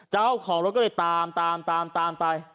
เจ้าของรถก็เลยตามตามไป